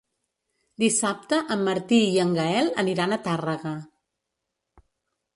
Dissabte en Martí i en Gaël aniran a Tàrrega.